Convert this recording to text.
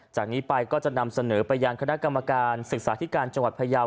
จากนี้ไปก็จะนำเสนอไปยังคณะกรรมการศึกษาธิการจังหวัดพยาว